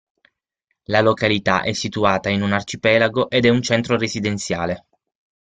La località è situata in un arcipelago, ed è un centro residenziale.